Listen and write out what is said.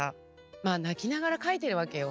まあ泣きながら書いてるわけよ